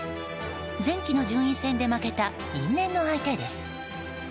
前期の順位戦で負けた因縁の相手です。